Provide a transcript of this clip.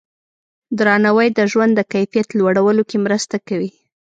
درناوی د ژوند د کیفیت لوړولو کې مرسته کوي.